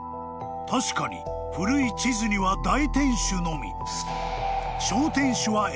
［確かに古い地図には大天守のみ］